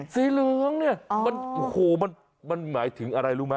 สีเหลืองเนี่ยมันโอ้โหมันหมายถึงอะไรรู้ไหม